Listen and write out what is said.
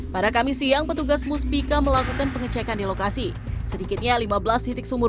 pada kamis siang petugas musbika melakukan pengecekan di lokasi sedikitnya lima belas titik sumur